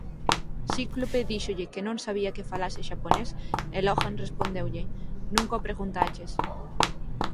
Ciclope díxolle que non sabía que falase xaponés e Logan respondeulle ""Nunca o preguntaches"".